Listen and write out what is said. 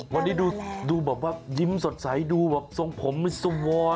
วันนี้ดูแบบว่ายิ้มสดใสดูแบบทรงผมมันสวอน